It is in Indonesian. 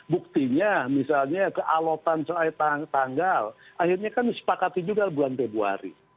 buktinya misalnya kealotan soal tanggal akhirnya kan disepakati juga bulan februari